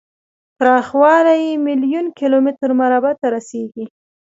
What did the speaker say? پراخوالی یې میلیون کیلو متر مربع ته رسیږي.